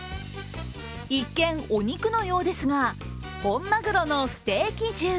一見、お肉のようですが、本マグロのステーキ重。